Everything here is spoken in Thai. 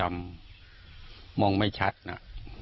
มองไม่ชัดน่ะ